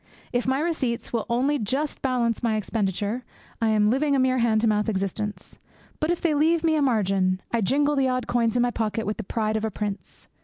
If my receipts will only just balance my expenditure, I am living a mere hand to mouth existence; but if they leave me a margin, I jingle the odd coins in my pocket with the pride of a prince.